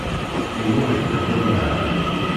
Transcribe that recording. Yennuɣ-ikem unemhal.